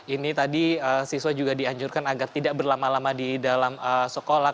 ini tadi siswa juga dianjurkan agar tidak berlama lama di dalam sekolah